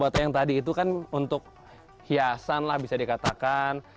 bata yang tadi itu kan untuk hiasan lah bisa dikatakan